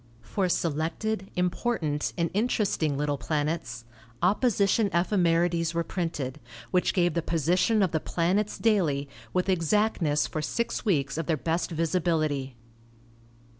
For selected, important and interesting little planets opposition ephemerides were printed, which gave the position of the planets daily with exactness for six weeks of their best visibility.